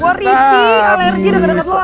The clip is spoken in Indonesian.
gua risih alergi dengan deket lo